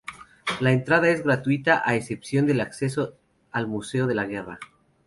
La entrada es gratuita a excepción del acceso al museo de la guerra.